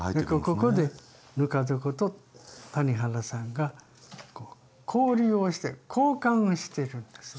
ここでぬか床と谷原さんが交流をして交歓をしてるんですね。